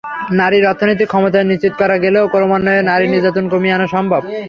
নারীর অর্থনৈতিক ক্ষমতায়ন নিশ্চিত করা গেলে ক্রমান্বয়ে নারী নির্যাতন কমিয়ে আনা সম্ভব।